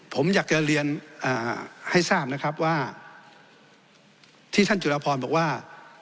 ผมอยากจะเรียนให้ทราบนะครับว่าที่ท่านจุรพรบอกว่า